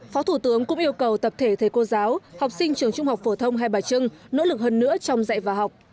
phó thủ tướng cũng yêu cầu tập thể thầy cô giáo học sinh trường trung học phổ thông hai bà trưng nỗ lực hơn nữa trong dạy và học